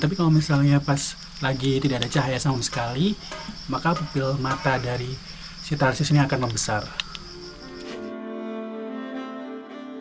tapi kalau misalnya pas lagi tidak ada cahaya sama sekali maka pipil mata dari si tarsis ini akan membesar